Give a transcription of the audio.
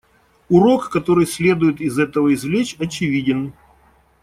Урок, который следует из этого извлечь, очевиден.